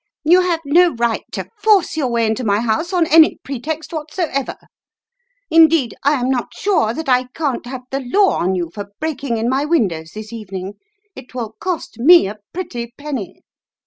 "You have no right to force your way into my house on any pretext whatsoever. Indeed, I am not sure that I can't have the law on you for breaking in my windows this evening. It will cost me a pretty penny.